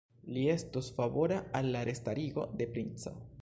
Li estos favora al la restarigo de princo.